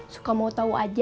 suka mau tahu aja